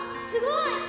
すごい！